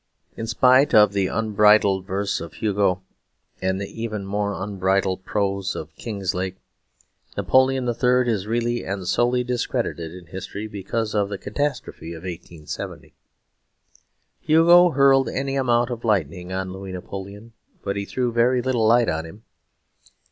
In spite of the unbridled verse of Hugo and the even more unbridled prose of Kinglake, Napoleon III. is really and solely discredited in history because of the catastrophe of 1870. Hugo hurled any amount of lightning on Louis Napoleon; but he threw very little light on him.